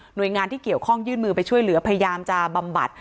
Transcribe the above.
โดยงานที่เกี่ยวข้องยื่นมือไปช่วยเหลือพยายามจะบำบัด